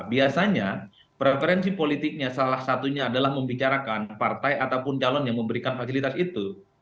biasanya preferensi politiknya salah satunya adalah membicarakan partai ataupun calon yang memberikan fasilitas itu